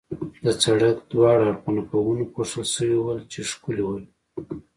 د سړک دواړه اړخونه په ونو پوښل شوي ول، چې ښکلي ول.